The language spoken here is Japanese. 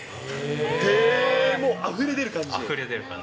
へー、もうあふれ出る感じ？